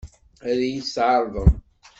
Ad iyi-tt-tɛeṛḍem?